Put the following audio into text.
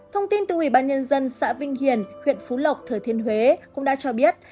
thông tin từ ủy ban nhân dân xã vinh hiền huyện phú lộc thừa thiên huế cũng đã cho biết